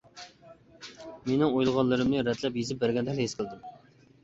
مېنىڭ ئويلىغانلىرىمنى رەتلەپ يېزىپ بەرگەندەكلا ھېس قىلدىم.